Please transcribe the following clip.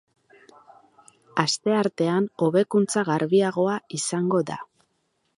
Asteartean hobekuntza garbiagoa izango da.